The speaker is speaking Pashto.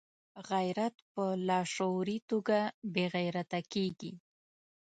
غیرت په لاشعوري توګه بې غیرته کېږي.